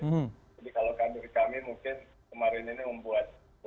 maksudnya juga sedang mempunyai pemikiran untuk bagaimana caranya untuk berkumpul